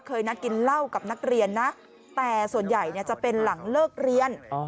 นัดกินเหล้ากับนักเรียนนะแต่ส่วนใหญ่จะเป็นหลังเลิกเรียน